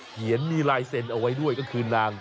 เขียนมีลายเซ็นต์เอาไว้ด้วยก็คือนาง